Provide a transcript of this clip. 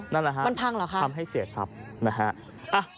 นั่นล่ะครับทำให้เสียซับนะฮะมันพังเหรอ